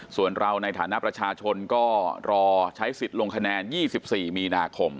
ส่วนเราในฐานะประชาชนก็รอใช้สิทธิ์ลงคะแนน๒๔มีนาคม